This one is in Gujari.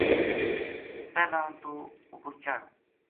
پہلاں توہ اپر چڑھ